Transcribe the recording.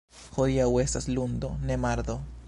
Hodiaŭ estas lundo, ne, mardo.